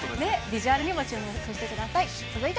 ビジュアルにも注目してください。